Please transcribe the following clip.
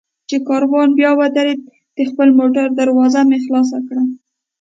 چې کاروان بیا ودرېد، د خپل موټر دروازه مې خلاصه کړه.